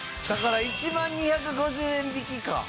だから１万２５０円引きか。